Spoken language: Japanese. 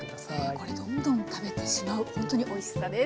これどんどん食べてしまうほんとにおいしさです。